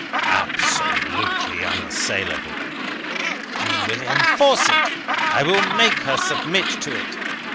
"Absolutely unassailable." "I will enforce it. I will make her submit herself to it.